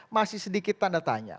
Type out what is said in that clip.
masih sedikit tanda tanya